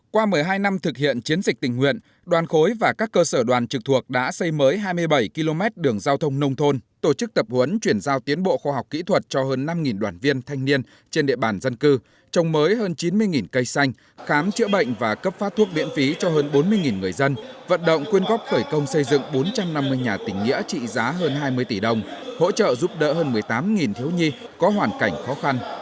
qua một mươi hai năm thực hiện chiến dịch tình nguyện đoàn khối và các cơ sở đoàn trực thuộc đã xây mới hai mươi bảy km đường giao thông nông thôn tổ chức tập huấn chuyển giao tiến bộ khoa học kỹ thuật cho hơn năm đoàn viên thanh niên trên địa bàn dân cư trồng mới hơn chín mươi cây xanh khám chữa bệnh và cấp phát thuốc biện phí cho hơn bốn mươi người dân vận động quyên góp khởi công xây dựng bốn trăm năm mươi nhà tình nghĩa trị giá hơn hai mươi tỷ đồng hỗ trợ giúp đỡ hơn một mươi tám thiếu nhi có hoàn cảnh khó khăn